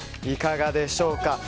いかがでしょうか。